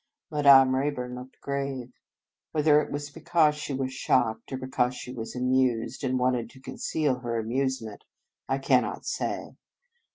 Madame Rayburn looked grave. Whether it was because she was shocked, or because she was amused and wanted to conceal her amuse ment, I cannot say.